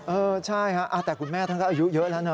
เออใช่ครับแต่คุณแม่ทั้งและอายุเยอะแล้วนะ